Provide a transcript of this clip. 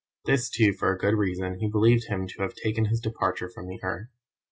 This, too, for a good reason; he believed him to have taken his departure from the earth.